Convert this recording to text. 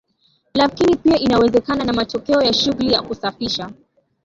lakini pia inawezekana na matokeo ya shughuli ya kusafisha